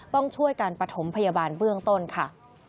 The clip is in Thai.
ต้องช่วยการปฐมพยาบาลเบื้องต้นค่ะ